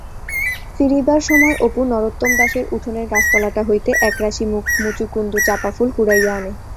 ফিরিবার সময় অপু নরোত্তম দাসের উঠানের গাছতলাটা হইতে একরাশি মুচুকুন্দ-চাঁপা ফুল কুড়াইয়া আনে।